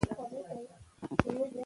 آیا ته پوهېږې چې زموږ تاریخ څه دی؟